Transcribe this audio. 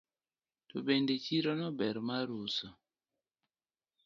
To bende chirono ber mar uso.